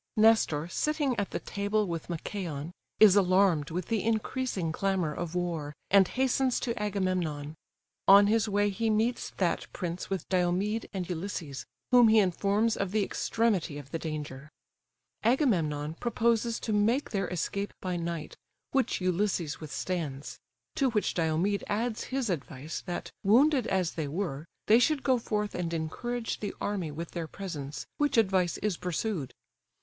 Nestor, sitting at the table with Machaon, is alarmed with the increasing clamour of war, and hastens to Agamemnon; on his way he meets that prince with Diomed and Ulysses, whom he informs of the extremity of the danger. Agamemnon proposes to make their escape by night, which Ulysses withstands; to which Diomed adds his advice, that, wounded as they were, they should go forth and encourage the army with their presence, which advice is pursued.